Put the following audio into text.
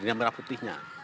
ini yang merah putihnya